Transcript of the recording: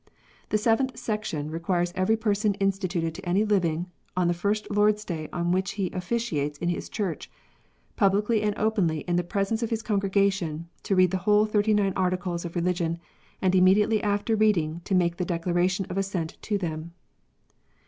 The seventh section requires every person instituted to any living, on the first Lord s Day in wliich he officiates in his church, "publicly and openly in the presence of his congregation, to read the whole Thirty nine Articles of Religion, and immediately after reading to make the declaration of assent to them."